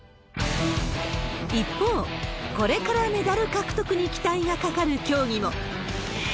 一方、これからメダル獲得に期待がかかる競技も。